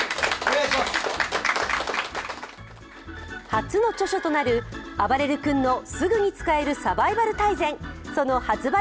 初の著書となる「あばれる君のすぐに使えるサバイバル大全」その発売